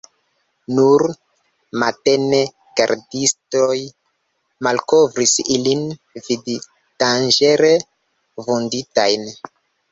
Nur matene gardistoj malkovris ilin, vivdanĝere vunditajn.